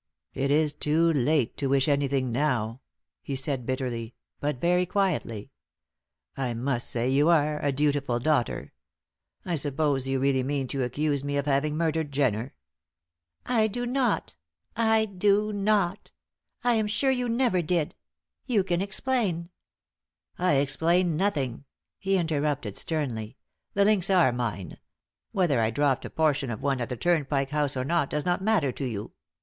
"It is too late to wish anything now," he said, bitterly, but very quietly. "I must say you are a dutiful daughter. I suppose you really mean to accuse me of having murdered Jenner?" "I do not I do not. I am sure you never did. You can explain." "I explain nothing," he interrupted, sternly. "The links are mine. Whether I dropped a portion of one at the Turnpike House or not does not matter to you.